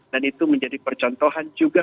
dan itu menjadi percontohan juga